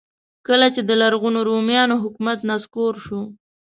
کله چې د لرغونو رومیانو حکومت نسکور شو.